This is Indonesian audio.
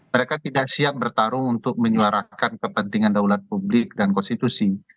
mereka tidak siap bertarung untuk menyuarakan kepentingan daulat publik dan konstitusi